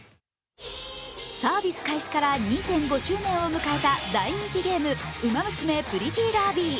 サービス開始から２．５周年を迎えた大人気ゲーム、「ウマ娘プリティーダービー」。